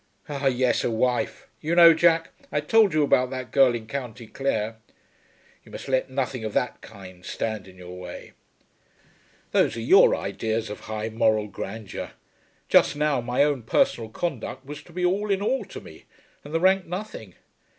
"Ah, yes; a wife. You know, Jack, I told you about that girl in County Clare." "You must let nothing of that kind stand in your way." "Those are your ideas of high moral grandeur! Just now my own personal conduct was to be all in all to me, and the rank nothing.